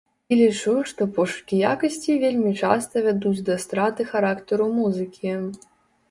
І лічу, што пошукі якасці вельмі часта вядуць да страты характару музыкі.